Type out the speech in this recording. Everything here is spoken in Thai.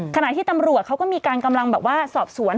ขณะที่ตำรวจเขาก็มีการกำลังแบบว่าสอบสวน